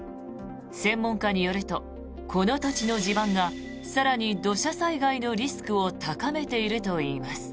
専門家によるとこの土地の地盤が更に土砂災害のリスクを高めているといいます。